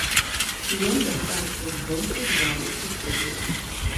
Ён вяртаецца з жонкай з балю ў суседзяў.